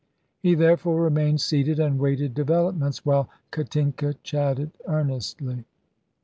He therefore remained seated and waited developments, while Katinka chatted earnestly.